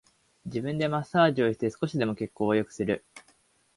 自分でマッサージをして少しでも血行を良くする